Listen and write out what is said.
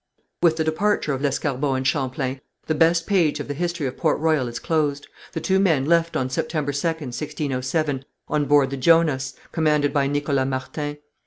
With the departure of Lescarbot and Champlain the best page of the history of Port Royal is closed. The two men left on September 2nd, 1607, on board the Jonas, commanded by Nicholas Martin.